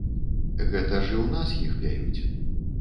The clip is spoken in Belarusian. Гэта ж і ў нас іх пяюць.